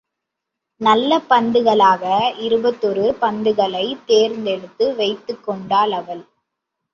நல்ல பந்துகளாக இருபத்தொரு பந்துகளைத் தேர்ந்தெடுத்து வைத்துக்கொண்டாள் அவள்.